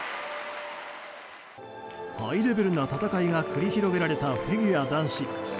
ハイレベルな戦いが繰り広げられたフィギュア男子。